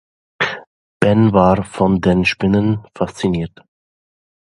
Ben war von den Spinnen fasziniert.